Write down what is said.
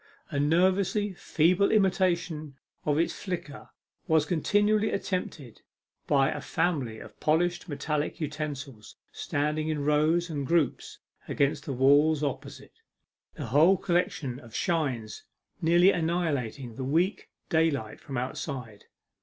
A nervously feeble imitation of its flicker was continually attempted by a family of polished metallic utensils standing in rows and groups against the walls opposite, the whole collection of shines nearly annihilating the weak daylight from outside.